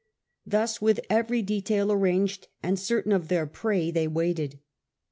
Thus with every detaU arranged, and certain of their prey, they waited.